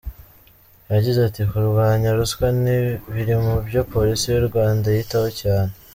Yagize ati "Kurwanya ruswa biri mu byo Polisi y’u Rwanda yitaho cyane.